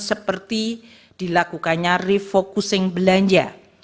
seperti dilakukannya refocusing belanja